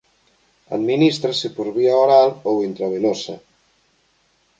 Adminístrase por vía oral ou intravenosa.